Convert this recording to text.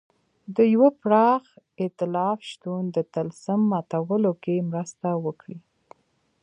د یوه پراخ اېتلاف شتون د طلسم ماتولو کې مرسته وکړي.